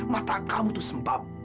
mata kamu tuh sempap